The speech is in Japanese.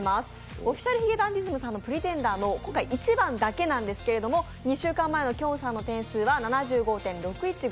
Ｏｆｆｉｃｉａｌ髭男ｄｉｓｍさんの「Ｐｒｅｔｅｎｄｅｒ」の今回は１番だけなんですけれども、２週間前のきょんさんの点数は７５．６１５